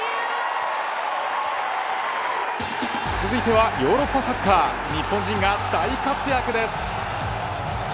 続いてはヨーロッパサッカー日本人が大活躍です。